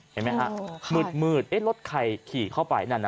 เห็นไหมฮะมืดรถใครขี่เข้าไปนั่นน่ะ